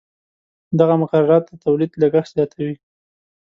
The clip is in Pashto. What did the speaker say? دغه مقررات د تولید لګښت زیاتوي.